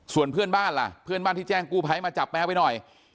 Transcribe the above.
ส่วนเพื่อนบ้านล่ะเพื่อนบ้านที่แจ้งกู้ภัยมาจับแมวไปหน่อย